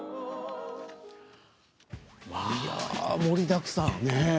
盛りだくさん。